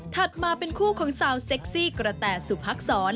มาเป็นคู่ของสาวเซ็กซี่กระแต่สุพักษร